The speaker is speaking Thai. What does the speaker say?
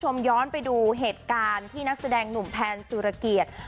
คุณผู้ชมย้อนไปดูเหตุการณ์ที่นักแสดงหนุ่มแพนสุรเกียรติ